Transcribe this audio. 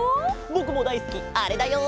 ぼくもだいすきあれだよ。